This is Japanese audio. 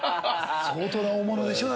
相当な大物でしょ？